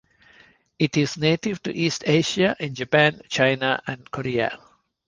It is native to East Asia in Japan, China and Korea.